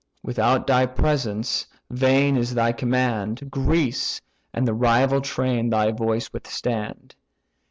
Without thy presence, vain is thy command: Greece, and the rival train, thy voice withstand."